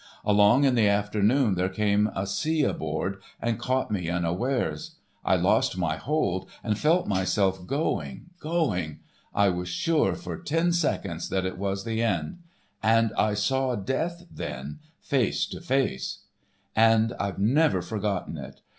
Along in the afternoon there came a sea aboard, and caught me unawares. I lost my hold and felt myself going, going.... I was sure for ten seconds that it was the end,—and I saw death then, face to face! "And I've never forgotten it.